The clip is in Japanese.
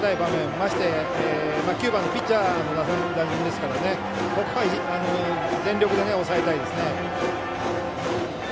ましては９番ピッチャーの打順ですからここは全力で抑えたいです。